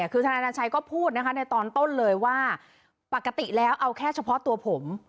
คือธนาชัยก็พูดนะคะในตอนต้นเลยว่าปกติแล้วเอาแค่เฉพาะตัวผม